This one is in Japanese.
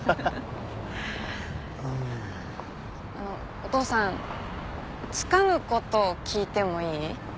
あのお父さんつかぬ事を聞いてもいい？